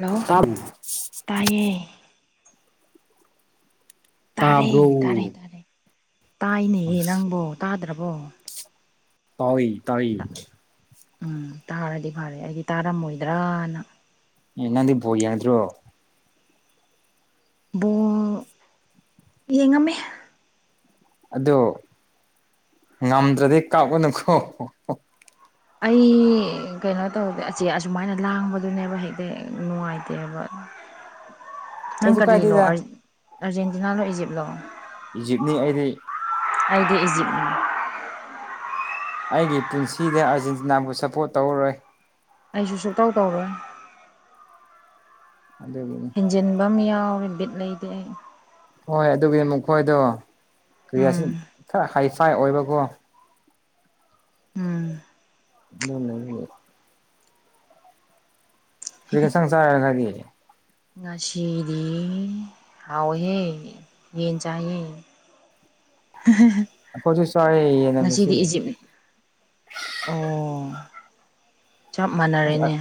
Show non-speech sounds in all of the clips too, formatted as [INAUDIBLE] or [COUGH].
Hello ꯇꯥꯕ꯭ꯔꯣ ꯇꯥꯏꯌꯦ ꯇꯥꯔꯦ ꯇꯥꯕ꯭ꯔꯣ ꯇꯥꯔꯦ ꯇꯥꯏꯅꯦꯍꯦ ꯑꯁ ꯅꯪꯕꯣ ꯇꯥꯗ꯭ꯔꯕꯣ ꯍꯋ ꯇꯥꯏꯌꯦ ꯎꯝ ꯇꯥꯔꯗꯤ ꯐꯔꯦ ꯑꯩꯗꯤ ꯇꯥꯔꯝꯃꯣꯏꯗ꯭ꯔꯅ ꯅꯪꯗꯤ ꯕꯣꯜ ꯌꯦꯡꯗ꯭ꯔꯣ ꯕꯣꯜ ꯌꯦꯡꯉꯝꯃꯦ ꯑꯗꯣ ꯉꯝꯗ꯭ꯔꯗꯤ ꯀꯥꯞꯒꯅꯨꯀꯣ ꯑꯩ ꯀꯩꯅꯣ ꯇꯧꯗꯦ ꯑꯆꯤ ꯑꯁꯨꯃꯥꯏꯅ ꯂꯥꯡꯕꯗꯨꯅꯦꯕ ꯍꯦꯛꯇ ꯅꯨꯡꯉꯥꯏꯇꯦꯕ ꯅꯪ ꯀꯩꯁꯨ ꯀꯔꯤꯅꯣ ꯀꯥꯏꯗꯦꯗ ꯑꯥꯔꯖꯦꯟꯇꯤꯅꯥꯂꯣ ꯏꯖꯤꯞꯂꯣ ꯏꯖꯤꯞꯅꯤ ꯑꯩꯗꯤ ꯑꯩꯒꯤ ꯏꯖꯤꯞꯅꯦ ꯑꯩꯒꯤ ꯄꯨꯟꯁꯤꯗ ꯑꯥꯔꯖꯦꯟꯇꯤꯅꯥꯕꯨ ꯁꯞꯄꯣꯔꯠ ꯇꯧꯔꯔꯣꯏ ꯑꯩꯁꯨ ꯁꯨꯛꯇꯧ ꯇꯧꯔꯣꯏ ꯑꯗꯨꯅꯤ ꯍꯟꯖꯤꯟꯕ ꯑꯃ ꯌꯥꯎꯔꯦ ꯕꯤꯠ ꯂꯩꯗꯦ ꯍꯣꯏ ꯑꯗꯨꯒꯤ ꯃꯈꯨꯛ ꯈꯣꯏꯗꯣ ꯀꯔꯤꯍꯥꯏꯁꯤ ꯎꯝ ꯈꯔ ꯍꯥꯏꯐꯥꯏ ꯑꯣꯏꯕꯀꯣ ꯎꯝ [INAUDIBLE] [UNINTELLIGIBLE] ꯉꯁꯤꯗꯤ ꯍꯥꯎꯋꯤꯍꯦ ꯌꯦꯟ‌‌ ꯖꯥꯍꯦ ꯍ ꯑꯩꯈꯣꯏꯁꯨ ꯆꯥꯔꯦ ꯌꯦꯟꯅ ꯉꯁꯤꯗꯤ ꯏꯖꯤꯞ ꯑꯣ ꯆꯞ ꯃꯥꯟꯅꯔꯦꯅꯦ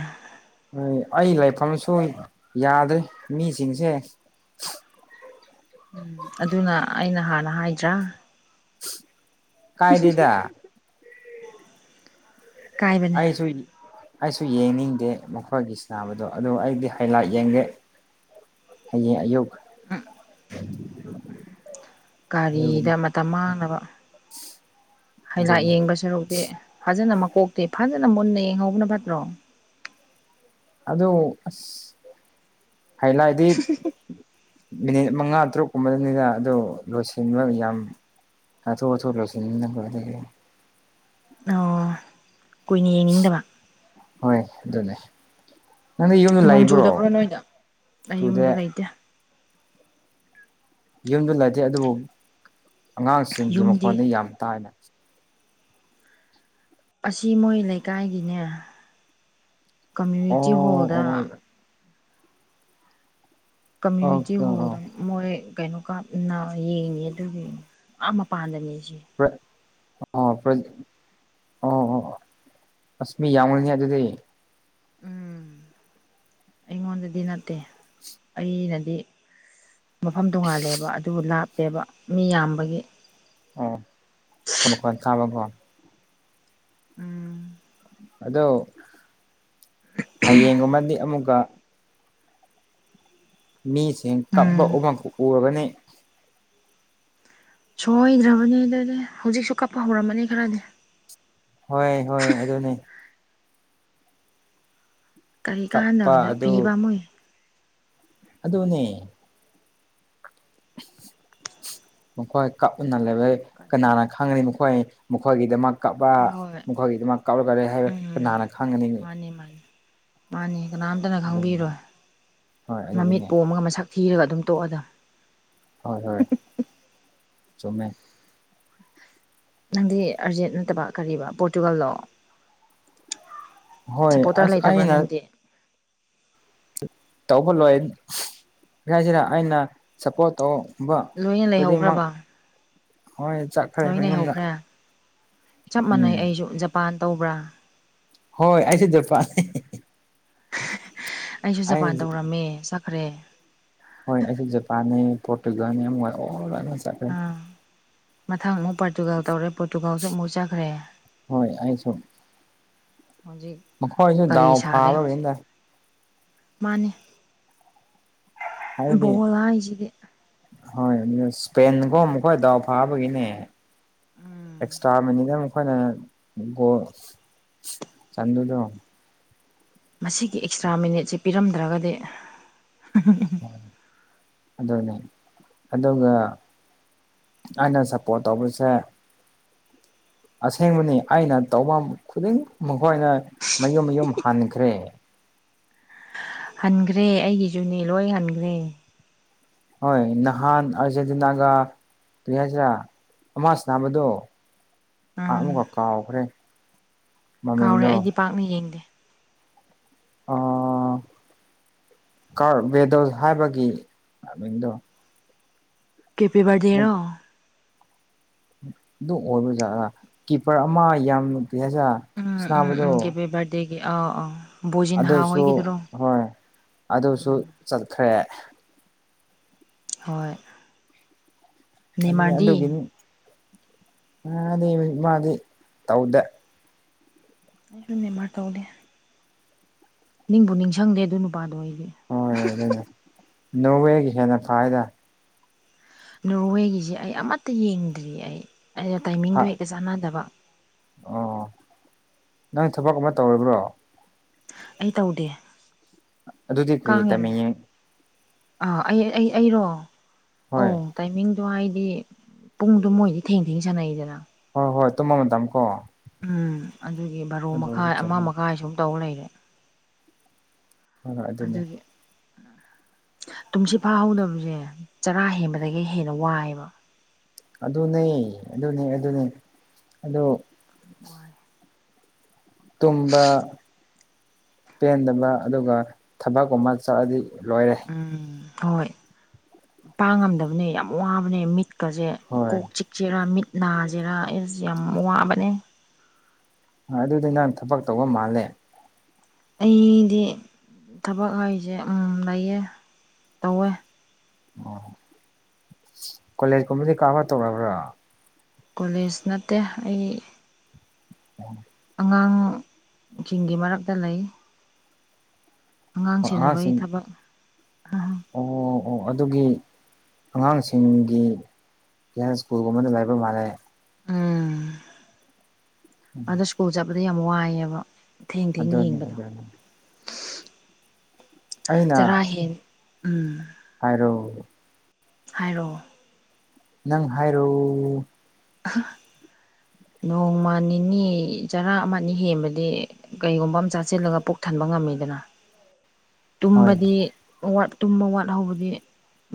ꯍꯣꯏ ꯑꯩ ꯂꯩꯐꯝꯁꯨ ꯌꯥꯗ꯭ꯔꯦ ꯃꯤꯁꯤꯡꯁꯦ ꯎꯝ ꯑꯗꯨꯅ ꯑꯩꯅ ꯍꯥꯟꯅ ꯍꯥꯏꯗ꯭ꯔꯥ ꯀꯥꯏꯗꯗ ꯀꯥꯏꯕꯅꯦ ꯑꯩꯁꯨ ꯑꯩꯁꯨ ꯌꯦꯡꯅꯤꯡꯗꯦ ꯃꯈꯣꯏꯒꯤ ꯁꯅꯕꯗꯣ ꯑꯗꯨ ꯑꯩꯗꯤ ꯍꯥꯏ ꯂꯥꯏꯠ ꯌꯦꯡꯒꯦ ꯍꯌꯦ ꯑꯌꯨꯛ ꯑꯗꯨꯒꯤꯅꯤ ꯀꯥꯔꯤꯗ ꯃꯇꯝ ꯃꯥꯡꯅꯕ ꯍꯥꯏꯂꯥꯏꯏꯠ ꯑꯗꯨꯅꯤ ꯌꯦꯡꯗꯧ ꯁꯔꯨꯛꯇꯦ ꯐꯖꯅ ꯃꯀꯣꯛꯇꯦ ꯐꯖꯅ ꯃꯨꯟꯅ ꯌꯦꯡꯍꯧꯕꯅ ꯐꯠꯇ꯭ꯔꯣ ꯑꯗꯨ ꯑꯁ ꯍꯥꯏꯂꯥꯏꯗꯤ ꯃꯤꯅꯤꯠ ꯃꯉꯥ ꯇꯔꯨꯛꯀꯨꯝꯕꯗꯅꯤꯅ ꯑꯗꯨ ꯂꯣꯏꯁꯤꯟꯕ ꯌꯥꯝ ꯍꯊꯣ ꯍꯊꯣ ꯂꯣꯁꯤꯅ ꯅꯪꯕ [UNINTELLIGIBLE] ꯑꯣ ꯀꯨꯏꯅ ꯌꯦꯡꯅꯤꯡꯗꯕ ꯍꯣꯏꯗꯨꯅꯦ ꯅꯪꯗꯤ ꯌꯨꯝꯗ ꯅꯣꯡ ꯂꯩꯕ꯭ꯔꯣ ꯆꯨꯗꯕ꯭ꯔꯣ ꯅꯣꯏꯗ ꯑꯩ ꯆꯨꯗꯦ ꯌꯨꯝꯗ ꯂꯩꯇꯦ ꯌꯨꯝꯗ ꯂꯩꯇꯦ ꯑꯗꯨꯕꯨ ꯑꯉꯥꯡꯁꯤꯡꯒꯤ ꯌꯨꯝꯗꯤ ꯃꯈꯣꯟꯗ ꯌꯥꯝ ꯇꯥꯏꯅ ꯑꯁꯤ ꯃꯣꯏ ꯂꯩꯀꯥꯏꯒꯤꯅꯦ ꯀꯃ꯭ꯌꯨꯅꯤꯇꯤ ꯍꯣꯜꯗ ꯑꯣ ꯑꯣ ꯀꯃ꯭ꯨꯅꯤꯇꯤ ꯍꯣꯜ ꯃꯣꯏ ꯀꯩꯅꯣ ꯀꯅ ꯌꯦꯡꯉꯦ ꯑꯗꯨꯒꯤ ꯑꯥ ꯃꯄꯥꯟꯗꯅꯦꯁꯦ ꯑꯥ꯭ꯔ ꯑꯣ ꯑꯣ ꯑꯣ ꯑꯁ ꯃꯤ ꯌꯥꯝꯎꯅꯤ ꯑꯗꯨꯗꯤ ꯎꯝ [INAUDIBLE] ꯑꯩꯉꯣꯟꯗꯗꯤ ꯅꯠꯇꯦ ꯑꯩꯅꯗꯤ ꯃꯐꯝ ꯇꯣꯡꯉꯥꯜꯂꯦꯕ ꯑꯗꯨꯕꯨ ꯂꯥꯞꯄꯦꯕ ꯃꯤ ꯌꯥꯝꯕꯒꯤ ꯑꯣ ꯍꯈꯣꯟ ꯆꯥꯝꯃꯒ ꯎꯝ ꯑꯗꯣ ꯍꯌꯦꯡꯒꯨꯝꯕꯗꯤ ꯑꯃꯨꯛꯀ ꯃꯤꯁꯤꯡ ꯀꯞꯄ ꯎꯝ ꯑꯃꯃꯈꯛ ꯎꯔꯒꯅꯤ ꯁꯣꯏꯗ꯭ꯔꯕꯅꯦ ꯑꯗꯨꯗꯤ ꯍꯧꯖꯤꯛꯁꯨ ꯀꯞꯄ ꯍꯧꯔꯝꯃꯅꯤ ꯈꯔꯗꯤ ꯍꯣꯏ ꯍꯣꯏ ꯑꯗꯨꯅꯦ ꯀꯔꯤ ꯀꯥꯟꯗꯗ ꯀꯞꯄ ꯑꯗꯨ ꯄꯤꯕ ꯑꯃꯨꯏ ꯑꯗꯨꯅꯦ ꯃꯈꯣꯏ ꯀꯞꯅ ꯂꯩꯕꯩ ꯀꯔꯤ ꯀꯅꯥꯅ ꯈꯪ ꯈꯪꯒꯅꯤ ꯃꯈꯣꯏ ꯃꯈꯣꯏꯒꯤꯗꯃꯛ ꯀꯞꯄ ꯍꯣꯏ ꯃꯈꯣꯏꯒꯤꯗꯃꯛ ꯀꯞꯂꯒꯔꯦ ꯍꯥꯏꯕ ꯎꯝ ꯅ ꯍꯥꯟꯅ ꯈꯪꯒꯅꯤ ꯃꯥꯅꯤ ꯃꯥꯅꯤ ꯃꯥꯅꯤ ꯀꯅꯥꯝꯇꯅ ꯑꯗꯨꯅꯦ ꯈꯪꯕꯤꯔꯣꯏ ꯍꯣꯏ ꯃꯃꯤꯠ ꯑꯗꯨꯒꯤꯅꯦ ꯄꯣꯝꯃꯒ ꯃꯁꯛ ꯊꯤꯔꯒ ꯑꯗꯨꯝ ꯇꯣꯛꯑꯗ ꯍꯣꯏ ꯍꯣꯏ ꯆꯨꯝꯃꯦ ꯅꯪꯗꯤ ꯑꯥꯔꯖꯦꯟ ꯅꯠꯇꯕ ꯀꯔꯤꯕ ꯄꯣꯔꯇꯨꯒꯥꯜꯗꯣ ꯍꯣꯏ ꯁꯞꯄꯣꯔꯇꯔ ꯑꯁ ꯂꯩꯇꯕ꯭ꯔꯥ ꯑꯩꯅ ꯅꯪꯗꯤ ꯇꯧꯕ ꯂꯣꯏ ꯁꯥꯏꯁꯤꯗ ꯑꯩꯅ ꯁꯞꯄꯣꯔꯠ ꯇꯧ ꯂꯣꯏꯅ ꯈꯨꯗꯤꯡꯃꯛ ꯍꯣꯏ ꯆꯥꯛ ꯅꯣꯏ ꯂꯩꯍꯧꯈ꯭ꯔꯦ ꯆꯞ ꯃꯥꯟꯅꯩ ꯎꯝ ꯑꯩꯁꯨ ꯖꯄꯥꯟ ꯇꯧꯕ꯭ꯔꯥ ꯍꯣꯏ ꯑꯩꯁꯨ ꯆꯄ ꯑꯩꯁꯨ ꯖꯄꯥꯟ ꯇꯧꯔꯝꯃꯦ ꯆꯠꯈ꯭ꯔꯦ ꯍꯣꯏ ꯑꯩꯁꯦ ꯖꯄꯥꯟꯅꯤ ꯄꯣꯔꯇꯨꯒꯜꯅꯤ ꯑꯣꯏ ꯑꯣ ꯇ꯭ꯈꯔꯦ ꯑꯥ ꯃꯊꯪ ꯑꯃꯨꯛ ꯄꯣꯔꯇꯨꯒꯥꯜ ꯇꯧꯔꯦ ꯄꯣꯔꯇꯨꯒꯥꯜꯁꯨ ꯑꯃꯨꯛ ꯆꯠꯈ꯭ꯔꯦ ꯍꯣꯏ ꯑꯩꯁꯨ ꯍꯧꯖꯤꯛ ꯃꯈꯣꯏꯁꯨ ꯗꯥꯎ ꯐꯥꯕ ꯀꯔꯤꯝꯗ ꯃꯥꯅꯦ ꯍꯥꯏꯕꯗꯤ ꯕꯣꯜꯂꯁꯤꯗꯤ ꯍꯣꯏ ꯑꯗꯨ ꯏꯁꯄꯦꯟꯒꯨꯝ ꯃꯈ ꯈꯣꯏ ꯗꯥꯎ ꯐꯥꯕꯒꯤꯅꯦ ꯑꯦꯛꯁꯇ꯭ꯔꯥ ꯃꯅꯤꯗ ꯃꯈꯣꯏꯅ ꯒꯣ ꯆꯥꯟꯗꯨꯗꯣ ꯃꯁꯤꯒꯤ ꯑꯦꯛꯁꯇ꯭ꯔꯥ ꯃꯤꯅꯤꯠꯁꯦ ꯄꯤꯔꯝꯗ꯭ꯔꯒꯗꯤ ꯑꯗꯨꯅꯦ ꯑꯗꯨꯒ ꯑꯩꯅ ꯁꯞꯄꯣꯔꯠ ꯇꯧꯕꯁꯦ ꯑꯁꯦꯡꯕꯅꯤ ꯑꯩꯅ ꯇꯐꯝ ꯈꯨꯗꯤꯡ ꯃꯈꯣꯏꯅ ꯃꯌꯨꯝ ꯃꯌꯨꯝ ꯍꯟꯈ꯭ꯔꯦ ꯍꯟꯈ꯭ꯔꯦ ꯑꯩꯒꯤꯁꯨꯅꯦ ꯂꯣꯏ ꯍꯟꯈ꯭ꯔꯦ ꯍꯣꯏ ꯅꯍꯥꯟ ꯑꯖꯗꯤꯅꯥꯒꯥ ꯀꯔꯤ ꯍꯥꯏꯁꯤꯔꯥ ꯑꯃꯁꯤꯅꯥꯕꯗꯣ ꯑ ꯎꯝ ꯑꯃꯨꯀ ꯀꯥꯎꯈ꯭ꯔꯦ ꯀꯥꯎꯔꯦ ꯃꯃꯤꯡꯗꯣ ꯑꯩꯗꯤ ꯄꯥꯛꯅ ꯌꯦꯡꯗꯦ ꯑꯣ ꯀꯥꯔ ꯕꯦꯗꯣꯁ ꯍꯥꯏꯕꯒꯤ ꯃꯃꯤꯡꯗꯣ ꯀꯦ ꯄꯦꯕꯥꯔꯗꯤꯔꯣ ꯑꯗꯨ ꯑꯣꯏꯔꯨꯖꯥꯠꯥ ꯀꯤꯞꯄꯔ ꯑꯃ ꯌꯥꯝꯅ ꯄꯤꯖ ꯎꯝ ꯎꯝ ꯎꯝꯒꯦꯕꯤ ꯔꯗꯦꯒꯤ ꯑ ꯑ ꯑꯗꯨꯁꯨ ꯍꯣꯏ ꯑꯗꯨꯁꯨ ꯆꯠꯈ꯭ꯔꯦ ꯍꯣꯏ ꯑꯗꯨꯅꯤ ꯅꯦꯃꯥꯔꯗꯤ ꯑꯗꯨꯒꯤꯅꯤ ꯃꯥꯗꯤ ꯃꯥꯗꯤ ꯇꯧꯗꯦ ꯑꯩꯗꯨꯅꯦ ꯃꯥ ꯇꯧꯗꯦ ꯅꯤꯡꯕꯨ ꯅꯤꯡꯖꯡꯗꯦ ꯑꯗꯨ ꯅꯨꯄꯥꯗꯣ ꯑꯩꯗꯤ ꯍꯣꯏ ꯑꯗꯨꯅꯦ ꯅꯣꯋꯦꯒꯤꯖꯤ ꯀꯥꯏꯗ ꯅꯣꯔꯋꯦꯒꯤꯁꯤ ꯑꯩ ꯑꯃꯠꯇ ꯌꯦꯡꯗ꯭ꯔꯤꯌꯦ ꯑꯩ ꯑꯩꯅ ꯇꯥꯏꯃꯤꯡꯗꯣ ꯍꯦꯛꯇ ꯆꯥꯟꯅꯗꯕ ꯑꯣ ꯅꯪ ꯊꯕꯛ ꯑꯃ ꯇꯧꯔꯤꯕ꯭ꯔꯣ ꯑꯩ ꯇꯧꯗꯦ ꯑꯗꯨꯗꯤ ꯀꯥꯡ ꯀ꯭ꯔꯤ ꯌꯥꯝ ꯇꯝꯅꯤꯡꯉꯤ ꯑꯥ ꯑꯩ ꯑꯩ ꯑꯩꯔꯣ ꯑꯣ ꯍꯣꯏ ꯇꯥꯏꯃꯤꯡꯗꯣ ꯍꯥꯏꯗꯤ ꯄꯨꯡꯗꯨꯣ ꯃꯣꯏꯗꯤ ꯊꯦꯡ ꯊꯦꯡ ꯁꯥꯟꯅꯩꯗꯅ ꯍꯣꯏ ꯍꯣꯏ ꯇꯨꯝꯕ ꯃꯇꯝ ꯀꯣ꯫ ꯎꯝ ꯑꯗꯨꯒꯤ ꯕꯥꯔꯣ ꯑꯗꯨ ꯑꯣꯏꯔꯁꯨ ꯃꯈꯥꯏ ꯑꯃ ꯆꯨꯝꯃꯦ ꯃꯈꯥꯏ ꯁꯨꯝ ꯇꯧꯔ ꯂꯩꯔꯦ꯫ ꯍꯣꯏ ꯍꯣꯏ ꯑꯗꯨꯅꯦ ꯑꯗꯨꯒꯤ ꯇꯨꯝꯁꯤꯠ ꯐꯥꯍꯧꯗꯕꯁꯦ ꯆꯔꯥ ꯍꯦꯟꯕꯗꯒꯤ ꯍꯦꯟꯅ ꯋꯥꯏꯑꯦꯕ꯫ ꯑꯗꯨꯅꯦ ꯑꯗꯨꯅꯦ ꯑꯗꯨꯅꯦ ꯑꯗꯣ ꯋꯥꯏ ꯇꯨꯝꯕ ꯄꯦꯟꯗꯕ ꯑꯗꯨꯒ ꯊꯕꯛ ꯑꯃꯛ ꯆꯠꯂꯗꯤ ꯂꯣꯏꯔꯦ꯫ ꯎꯝ ꯍꯣꯏ ꯄꯥꯡꯉꯝꯗꯕꯅꯦ ꯌꯥꯝ ꯋꯥꯕꯅꯦ ꯃꯤꯠ ꯀꯁꯦ ꯍꯣꯏ ꯀꯣꯛ ꯆꯤꯛꯁꯦꯔꯥ ꯃꯤꯠ ꯅꯥꯁꯦꯔꯥ ꯑꯦꯁ ꯌꯥꯝ ꯋꯥꯕꯅꯦ꯫ ꯑꯗꯨꯗꯤ ꯅꯪ ꯊꯕꯛ ꯇꯧꯕ ꯃꯥꯜꯂꯦ꯫ ꯑꯩꯗꯤ ꯊꯕꯛ ꯍꯥꯏꯖꯦ ꯂꯩꯌꯦ ꯇꯧꯋꯦ꯫ ꯑꯣ ꯀꯣꯂꯦꯖꯀꯨꯝꯕꯗꯤ ꯀꯔꯕꯥ ꯇꯧꯔꯕ꯭ꯔꯥ ꯀꯣꯂꯦꯖ ꯅꯠꯇꯦ ꯑꯩ [INAUDIBLE] ꯑꯉꯥꯡꯁꯤꯡꯒꯤ ꯃꯔꯛꯇ ꯂꯩ꯫ ꯑꯉꯥꯡ ꯁꯦꯟꯅꯕꯒꯤ ꯑꯉꯥꯡꯁꯤꯡ ꯊꯕꯛ꯫ ꯑꯣ ꯑꯣ ꯑꯗꯨꯒꯤ ꯑꯉꯥꯡꯁꯤꯡꯒꯤ ꯍꯤꯌꯔ ꯁ꯭ꯀꯨꯜꯒꯒꯨꯝꯕꯗꯥ ꯂꯩꯕꯥ ꯃꯥꯥꯜꯂꯦ꯫ ꯎꯝ ꯑꯗ ꯁ꯭ꯀꯨꯜ ꯆꯠꯄꯗ ꯌꯥꯝ ꯋꯥꯏꯌꯦꯕ꯫ ꯑꯗꯨꯅꯤ ꯑꯗꯨꯅꯤ꯫ ꯑꯩꯅ ꯆꯔꯥ ꯍꯦꯟ ꯎꯝ ꯍꯥꯏꯔꯣ꯫ ꯍꯥꯏꯔꯣ꯫ ꯅꯪ ꯍꯥꯏꯔꯣ꯫ [UNINTELLIGIBLE] ꯅꯣꯡꯃ ꯅꯤꯅꯤ ꯆꯔꯥ ꯑꯃ ꯑꯅꯤ ꯍꯦꯟꯕꯗꯤ ꯀꯩꯒꯨꯝꯕ ꯑꯃ ꯆꯥꯁꯤꯜꯂꯒ ꯄꯨꯛ ꯊꯟꯕ ꯉꯝꯃꯤꯗꯅ [INAUDIBLE] ꯇꯨꯝꯕꯗꯤ ꯋꯥꯠ ꯇꯨꯝꯕ ꯋꯥꯠꯍꯧꯕꯗꯤ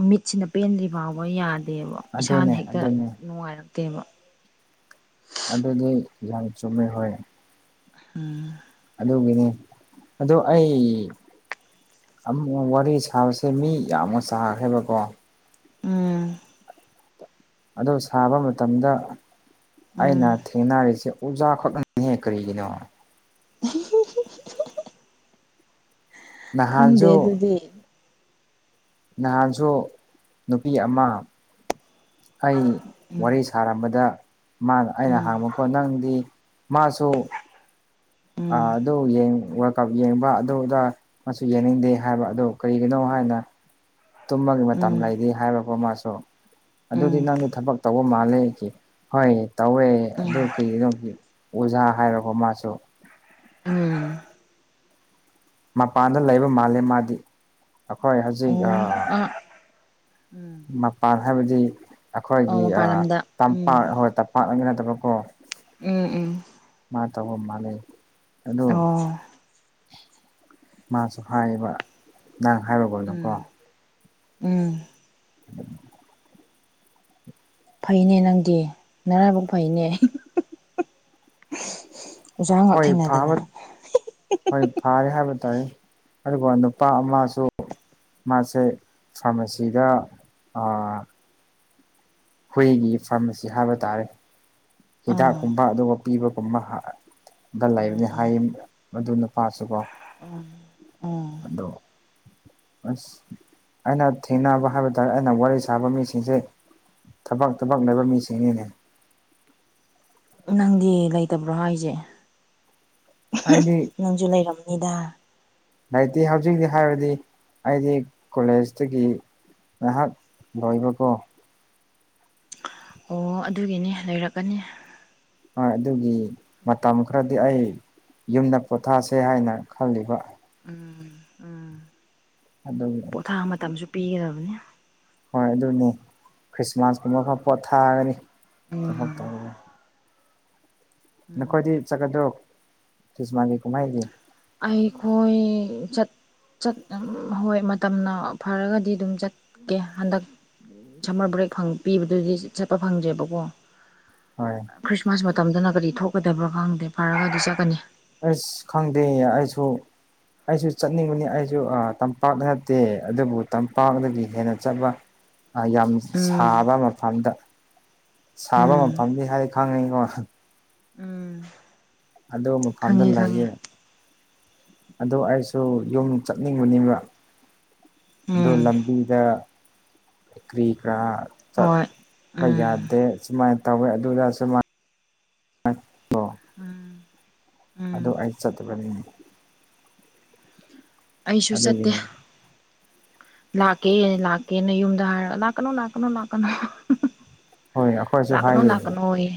ꯃꯤꯠꯁꯤꯅ ꯄꯦꯟꯗ꯭ꯔꯤꯕꯥꯎꯕ ꯌꯥꯗꯦꯕ꯫ ꯏꯁꯥꯅ ꯑꯗꯨꯅꯦ ꯍꯦꯛꯇ ꯑꯗꯨꯅꯦ ꯅꯨꯡꯉꯥꯏꯔꯛꯇꯦꯕ꯫ ꯑꯗꯨꯗꯤ ꯌꯥꯝ ꯆꯨꯝꯃꯦ ꯍꯣꯏ꯫ ꯎꯝ꯫ ꯑꯗꯨꯒꯤꯅꯤ ꯑꯗꯣ ꯑꯩ ꯑꯃꯨꯛ ꯋꯥꯔꯤ ꯁꯥꯕꯁꯦ ꯃꯤ ꯌꯥꯝꯅ ꯁꯥꯥꯈ꯭ꯔꯦꯕꯀꯣ ꯎꯝ꯫ ꯑꯗꯨ ꯁꯥꯕ ꯃꯇꯝꯗ ꯑꯩꯅ ꯎꯝ ꯊꯦꯡꯅꯔꯤꯁꯤ꯫ ꯑꯣꯖꯥꯈꯛꯅꯅꯤꯍ ꯀꯔꯤꯒꯤꯅꯣ ꯈꯪꯗꯦ ꯅꯍꯥꯟꯁꯨ ꯑꯗꯨꯗꯤ ꯅꯍꯥꯟꯁꯨ ꯅꯨꯄꯤ ꯑꯃ ꯑꯩ ꯎꯝ ꯋꯥꯔꯤ ꯁ ꯊꯔꯝꯕꯗ ꯃꯥꯅ ꯑꯩꯅ ꯎꯝ ꯍꯥꯡꯕꯀꯣ ꯅꯪꯗꯤ ꯃꯥꯁꯨ ꯑ ꯎꯝ ꯑꯗꯨ ꯌꯦꯡ ꯀꯩꯒꯨꯝ ꯑꯗꯨꯗ ꯃꯁꯨ ꯌꯦꯡꯅꯤꯡꯗꯦ ꯍꯥꯏꯕ ꯑꯗꯨ ꯀꯔꯤꯒꯤꯅꯣ ꯍꯥꯏꯅ ꯇꯨꯝꯃꯒꯤ ꯎꯝ ꯃꯇꯝ ꯂꯩꯔꯤ ꯍꯥꯏꯔꯛꯄ ꯑꯃꯁꯁꯨ ꯑꯗꯨꯗꯤ ꯎꯝ ꯅꯪꯗꯤ ꯊꯕꯛ ꯇꯧꯕ ꯃꯥꯜꯂꯦ ꯍꯣꯏ ꯇꯧꯋꯦ ꯎꯝ ꯑꯗꯨ ꯀꯩꯅꯣꯒꯤ ꯑꯣꯖꯥ ꯍꯥꯏꯔꯕ ꯃꯥꯁꯨ ꯎꯝ ꯃꯄꯥꯟꯗ ꯂꯩꯕ ꯃꯥꯜꯜꯂꯤꯦ ꯃꯥꯗꯤ ꯑꯩꯈꯣꯏ ꯍꯧꯖꯤꯛ ꯑꯣ ꯑꯥ ꯎꯝ ꯃꯄꯥꯟ ꯍꯥꯏꯕꯗꯤ ꯑꯣ ꯑꯩꯈꯣꯏꯒꯤ ꯃꯄꯥꯟ ꯂꯝꯗ ꯎꯝ ꯇꯝꯄꯥꯛ ꯍꯣꯏ ꯇꯝꯄꯥꯛꯅ ꯅꯠꯇꯕꯀꯣ ꯎꯝ ꯎꯝ ꯃꯥ ꯇꯕꯨ ꯃꯥꯅꯦ ꯑꯣ ꯃꯥꯁꯨ ꯍꯥꯏꯌꯦꯕ ꯅꯪ ꯍꯥꯏꯔꯨꯕꯅꯨꯀꯣ ꯎꯝ ꯎꯝ [UNINTELLIGIBLE] ꯐꯩꯅꯦ ꯅꯪꯗꯤ ꯅꯔꯥꯏꯕꯛ ꯐꯩꯅꯦ ꯑꯣꯖꯥ ꯉꯥꯛ ꯍꯣꯏ ꯊꯦꯡꯅꯗꯅ ꯐꯕ ꯍꯣꯏ ꯐꯔꯦ ꯍꯥꯏꯕ ꯇꯥꯏꯦ ꯑꯗꯨꯒ ꯅꯨꯄꯥ ꯑꯃꯁꯨ ꯃꯥꯁꯦ ꯐꯥꯔꯃꯥꯁꯤꯗ ꯍꯨꯏꯒꯤ ꯐꯥꯔꯃꯥꯁꯤ ꯍꯥꯏꯕ ꯇꯥꯔꯦ ꯍꯤꯗꯥꯛ ꯑꯥ ꯀꯨꯝꯕ ꯑꯗꯨꯒ ꯄꯤꯕꯒꯨꯝꯕ ꯗ ꯑꯣ ꯂꯩꯕꯅꯤ ꯍꯥꯏꯌꯦ ꯑꯗꯨ ꯅꯨꯄꯥꯁꯨꯀꯣ ꯎ ꯎꯝ ꯑꯗꯣ ꯑꯁ ꯑꯩꯅ ꯊꯦꯡꯅꯕ ꯍꯥꯏꯕ ꯇꯥꯔꯦ ꯑꯩꯅ ꯋꯥꯔꯤ ꯁꯥꯕ ꯃꯤꯁꯤꯡꯁꯦ ꯊꯕꯛ ꯊꯕꯛ ꯂꯩꯕ ꯃꯤꯁꯤꯡꯅꯤꯅꯦ ꯅꯪꯗꯤ ꯂꯩꯇꯕ꯭ꯔꯣ ꯍꯥꯏꯁꯦ ꯑꯩꯗꯤ ꯅꯪꯁꯨ ꯂꯩꯔꯝꯅꯤꯗ ꯂꯥꯏꯔꯤꯛꯇꯤ ꯍꯧꯖꯤꯛꯇꯤ ꯍꯥꯏꯔꯗꯤ ꯑꯩꯗꯤ ꯀꯣꯂꯦꯖꯇꯒꯤ ꯉꯍꯥꯛ ꯂꯣꯏꯕ ꯀꯣ ꯑꯣ ꯑꯗꯨꯒꯤꯅꯦ ꯂꯩꯔꯛꯀꯅꯤ ꯍꯣꯏ ꯑꯗꯨꯒꯤ ꯃꯇꯝ ꯈꯔꯗꯤ ꯑꯩ ꯌꯨꯝꯗ ꯄꯣꯊꯥꯁꯦ ꯍꯥꯏꯅ ꯈꯜꯂꯤꯕ ꯎꯝ ꯎꯝ ꯑꯗꯨꯒꯤ ꯄꯣꯊꯥ ꯃꯇꯝꯁꯨ ꯄꯤꯒꯗꯕꯅꯤ ꯍꯣꯏ ꯑꯗꯨꯅꯦ ꯈ꯭ꯔꯤꯁꯃꯥꯁꯀꯨꯝꯕ ꯑꯃ ꯄꯣꯠ ꯊꯥꯔꯒꯅꯤ ꯊꯕꯛ ꯎꯝ ꯇꯧꯔꯒꯅꯤ ꯎꯝ ꯅꯈꯣꯏꯗꯤ ꯆꯠꯀꯗ꯭ꯔꯣ ꯈ꯭ꯔꯤꯁꯃꯥꯁꯒꯤ ꯀꯨꯝꯍꯩꯒꯤ ꯑꯩꯈꯣꯏ ꯆꯠ ꯍꯣꯏ ꯃꯇꯝꯅ ꯐꯔꯒꯗꯤ ꯑꯗꯨꯝ ꯆꯠꯀꯦ ꯍꯟꯗꯛ ꯁꯝꯃꯔ ꯕ꯭ꯔꯦꯛ ꯄꯤꯕꯗꯨꯗꯤ ꯆꯠꯄ ꯐꯪꯗ꯭ꯔꯦꯕꯀꯣ ꯍ ꯈ꯭ꯔꯤꯁꯃꯥꯁ ꯃꯇꯝꯗꯅ ꯀꯔꯤ ꯊꯣꯛꯀꯗꯕ꯭ꯔꯥ ꯈꯪꯗꯦ ꯐꯔꯒꯗꯤ ꯆꯠꯀꯅꯤ ꯑꯩꯁ ꯈꯪꯗꯦ ꯑꯩꯁꯨ ꯑꯩꯁꯨ ꯆꯠꯅꯤꯡꯕꯅꯤ ꯑꯩꯁꯨ ꯇꯝꯄꯥꯛꯇ ꯅꯠꯇꯦ ꯑꯗꯨꯕꯨ ꯇꯝꯄꯥꯛꯗꯒꯤ ꯍꯦꯟꯅ ꯆꯠꯄ [UNINTELLIGIBLE] ꯌꯥꯝ ꯎꯝ ꯁꯥꯕ ꯃꯐꯝꯗ ꯁꯥꯕ ꯎꯝ ꯃꯐꯝꯗꯤ ꯍꯥꯏ ꯈꯪꯉꯤꯀꯣ ꯎꯝ ꯑꯗꯨꯗ ꯑꯃꯛ ꯐꯥꯟꯗ ꯈꯪꯉꯦ ꯈꯪꯉꯦ ꯂꯩꯌꯦ ꯑꯗꯣ ꯑꯩꯁꯨ ꯌꯨꯝ ꯆꯠꯅꯤꯡꯕꯅꯦꯕ ꯑꯗꯣ ꯎꯝ ꯂꯝꯕꯤꯗ ꯀꯔꯤ ꯀꯔꯥ ꯍꯣꯏ ꯆꯠꯄ ꯎꯝ ꯌꯥꯗꯦ ꯁꯨꯃꯥꯏꯅ ꯇꯧꯋꯦ ꯑꯗꯨꯗ ꯁꯃꯥꯏ ꯎꯝ ꯑꯗꯨ ꯑꯩ ꯆꯠꯇꯕꯅꯤ ꯑꯩꯁꯨ ꯆꯠꯇꯦ ꯑꯗꯨꯒꯤꯅꯤ ꯂꯥꯛꯀꯦ ꯂꯥꯛꯀꯦꯅ ꯌꯨꯝꯗ ꯍꯥꯏꯔꯒ ꯂꯥꯛꯀꯅꯨ ꯂꯥꯛꯀꯅꯨ ꯂꯥꯛꯀꯅꯨ ꯍꯣꯏ ꯑꯩꯈꯣꯏꯁꯨ ꯂꯅꯥꯀꯅ ꯍꯥꯏꯌꯦ ꯂꯅꯥꯀꯅ ꯑꯣꯏ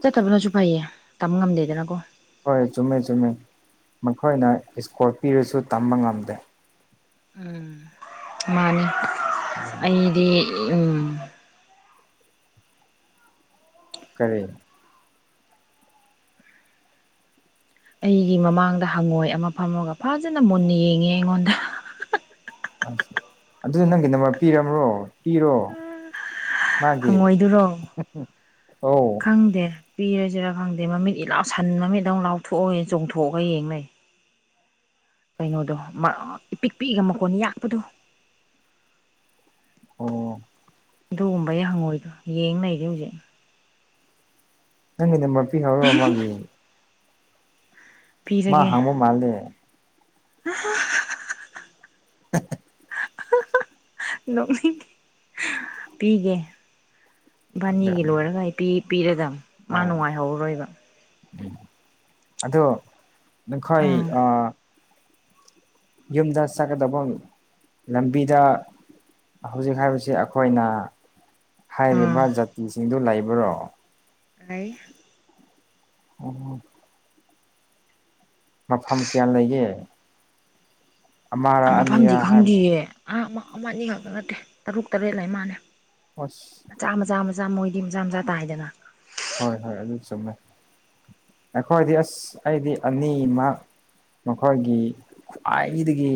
ꯆꯠꯇꯕꯅꯁꯨ ꯐꯩꯌꯦ ꯇꯝꯕ ꯉꯝꯗꯦꯗꯅꯀꯣ ꯍꯣꯏ ꯆꯨꯝꯃꯦ ꯆꯨꯝꯃꯦ ꯃꯈꯣꯏꯅ ꯏꯁꯀꯣꯔꯄꯤꯌꯣꯁꯨ ꯇꯝꯕ ꯉꯝꯗꯦ ꯎꯝ ꯃꯥꯅꯤ ꯑꯩꯗꯤ ꯎꯝ ꯀꯔꯤ ꯑꯩꯒꯤ ꯃꯃꯥꯡꯗ ꯍꯪꯉꯣꯏ ꯑꯃ ꯐꯝꯃꯒ ꯐꯖꯅ ꯃꯨꯟꯅ ꯌꯦꯡꯉꯦ ꯑꯩꯉꯣꯟꯗ ꯑ ꯑꯗꯨꯗ ꯅꯪꯒꯤ ꯅꯝꯕꯔ ꯄꯤꯔꯕ꯭ꯔꯣ ꯄꯤꯔꯣ ꯃꯥꯒꯤꯦ ꯍꯪꯉꯣꯏꯗꯨꯔꯣ ꯑꯧ ꯈꯪꯗꯦ ꯄꯤꯔꯁꯤꯔꯥ ꯈꯪꯗꯦ ꯃꯃꯤꯠ ꯏꯂꯥꯎ ꯁꯟ ꯃꯃꯤꯠ ꯇꯧꯅ ꯂꯥꯎꯊꯣꯛꯑꯒ ꯆꯣꯡꯊꯣꯛꯑꯒ ꯌꯦꯡ ꯂꯩ ꯀꯩꯅꯣꯗꯣ ꯏꯄꯤꯛ ꯄꯤꯛꯑꯒ ꯃꯀꯣꯟ ꯌꯥꯛꯄꯗꯣ ꯑꯣ ꯑꯗꯨꯒꯨꯝꯕꯒꯤ ꯍꯪꯉꯣꯏꯗꯣ ꯌꯦꯡ ꯂꯩꯔꯤ ꯍꯧꯖꯤꯛ ꯅꯪꯒꯤ ꯗꯃꯛ ꯄꯤꯈꯔꯕ‌ꯣ ꯃꯥꯒꯤ ꯃꯥ ꯄꯤꯔꯒꯦ ꯍꯪꯕ ꯃꯥꯜꯂꯦ [UNINTELLIGIBLE] [UNINTELLIGIBLE] ꯅꯣꯛꯅꯤꯡ ꯄꯤꯒꯦ ꯏꯕꯥꯟꯅꯤꯒꯤ ꯑꯗꯨꯅꯦꯕ ꯂꯣꯏꯔꯒ ꯑꯩ ꯄꯤ ꯄꯤꯔꯗꯕ ꯃꯥ ꯍꯣꯏ ꯅꯨꯡꯉꯥꯏꯍꯧꯔꯣꯏ ꯑꯗꯣ ꯅꯈꯣꯏ ꯎꯝ ꯑ ꯌꯨꯝꯗ ꯆꯠꯀꯗꯕ ꯂꯝꯕꯤꯗ ꯍꯧꯖꯤꯛ ꯍꯥꯏꯕꯁꯤ ꯑꯩꯈꯣꯏꯅ ꯎꯝ ꯍꯥꯏꯔꯤꯕ ꯖꯥꯇꯤꯁꯤꯡꯗꯨ ꯂꯩꯕ꯭ꯔꯣ ꯂꯩ ꯑꯣ ꯃꯐꯝ ꯀꯌꯥ ꯂꯩꯒꯦ ꯑꯃꯔꯥ ꯃꯐꯝꯗꯤ ꯑꯅꯤꯔꯥ ꯍꯥꯏꯕ ꯈꯪꯗꯤꯌꯦ ꯑ ꯑꯃ ꯑꯃ ꯑꯅꯤ ꯈꯛꯇ ꯅꯠꯇꯦ ꯇꯔꯨꯛ ꯇꯔꯦꯠ ꯂꯩ ꯃꯥꯜꯂ‌ꯦ ꯑꯁ ꯃꯆꯥ ꯃꯆꯥ ꯃꯆꯥ ꯃꯣꯏꯗꯤ ꯃꯆꯥ ꯃꯆꯥ ꯇꯥꯏꯗꯅ ꯍꯣꯏ ꯍꯣꯏ ꯑꯗꯨ ꯆꯨꯝꯃꯦ ꯑꯩꯈꯣꯏꯗꯤ ꯑꯁ ꯑꯩꯗꯤ ꯑꯅꯤꯃ ꯃꯈꯣꯏꯒꯤ ꯈ꯭ꯋꯥꯏꯗꯒꯤ